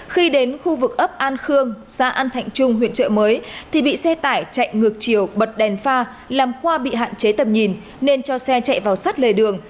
khi đến khu vực ấp an khương xã an thạnh trung huyện trợ mới thì bị xe tải chạy ngược chiều bật đèn pha làm khoa bị hạn chế tầm nhìn nên cho xe chạy vào sát lề đường